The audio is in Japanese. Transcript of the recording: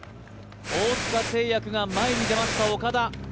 大塚製薬が前に出ました。